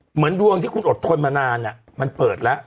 เหมือนดวงที่คุณอดทนมานานมันเปิดแล้ว